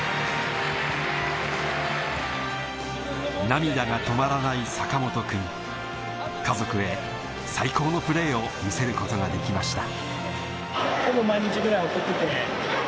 涙が止まらない坂本くん家族へ最高のプレーを見せることができました